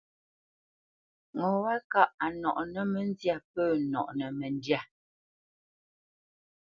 Ŋo wâ kâʼ a nɔʼnə́ məndyâ pə̂ nɔʼnə məndyâ.